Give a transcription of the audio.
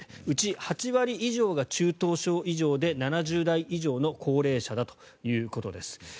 うち８割以上が中等症以上で７０代以上の高齢者だということです。